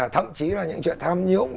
thậm chí là những chuyện tham nhũng